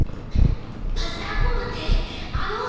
バスターコールってあの？